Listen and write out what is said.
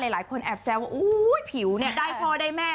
หลายคนแอบแซวว่าผิวเนี่ยได้พ่อได้แม่